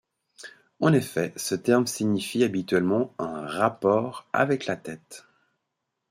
En effet, ce terme signifie habituellement un rapport avec la tête.